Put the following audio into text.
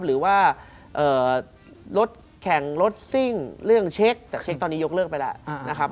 หรือว่ารถแข่งรถซิ่งเรื่องเช็คแต่เช็คตอนนี้ยกเลิกไปแล้วนะครับ